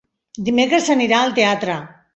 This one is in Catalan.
Dimecres anirà al teatre.